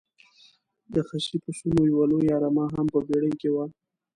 د خسي پسونو یوه لویه رمه هم په بېړۍ کې وه.